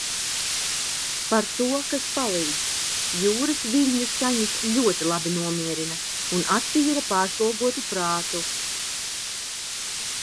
Par to, kas palīdz. Jūras viļņu skaņas ļoti labi nomierina un attīra pārslogotu prātu.